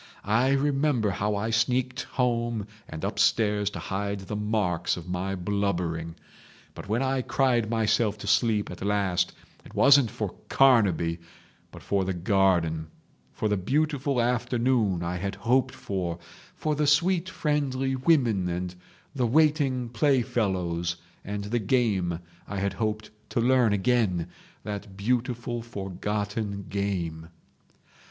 I remember how I sneaked home and upstairs to hide the marks of my blubbering. But when I cried myself to sleep at last it wasn't for Carnaby, but for the garden, for the beautiful afternoon I had hoped for, for the sweet friendly women and the waiting playfellows and the game I had hoped to learn again, that beautiful forgotten game